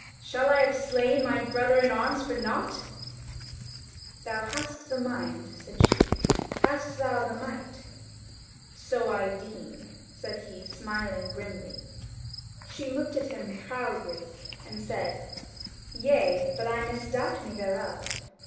Shall I have slain my brother in arms for nought?" "Thou hast the mind," said she, "hast thou the might?" "So I deem," said he, smiling grimly. She looked at him proudly and said: "Yea, but I misdoubt me thereof."